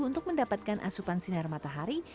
untuk mendapatkan asupan sinar matahari